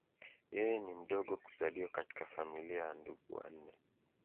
Yeye ni mdogo kuzaliwa katika familia ya ndugu wanne.